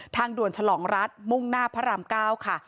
ทางด่วนฉลองรัฐมุ่งหน้าพระราม๙ค่ะ